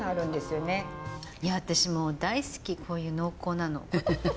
いや私もう大好きこういう濃厚なの。